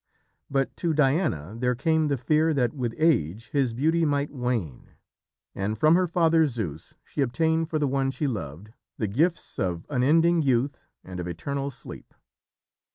But to Diana there came the fear that with age his beauty might wane, and from her father, Zeus, she obtained for the one she loved the gifts of unending youth and of eternal sleep.